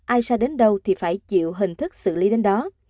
ai ra đến đâu thì phải chịu hình thức xử lý đến đó